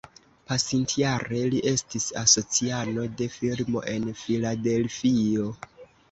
Pasintjare, li estis asociano de firmo en Filadelfio.